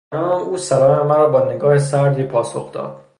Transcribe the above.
خانم او سلام مرا با نگاه سردی پاسخ داد.